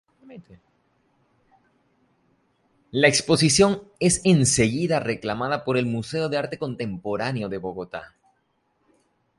La exposición es enseguida reclamada por el Museo de Arte Contemporáneo de Bogotá.